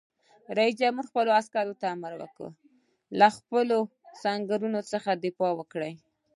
رئیس جمهور خپلو عسکرو ته امر وکړ؛ له خپلو سنگرونو څخه دفاع وکړئ!